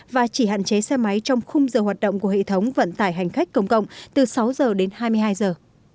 và chỉ hạn chế xe máy trong khung giờ hoạt động của hệ thống vận tải hành khách công cộng từ sáu giờ đến hai mươi hai giờ